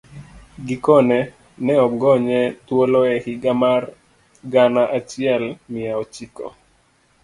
Gikone, ne ogonye thuolo e higa mar gana achiel mia ochiko